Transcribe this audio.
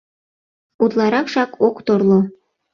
Утларакшак ок торло.